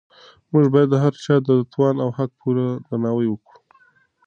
موږ باید د هر چا د توان او حق پوره درناوی وکړو.